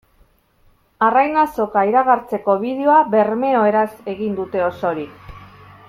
Arrain Azoka iragartzeko bideoa bermeoeraz egin dute osorik.